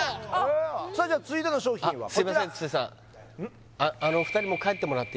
さあじゃあ続いての商品はこちらうん？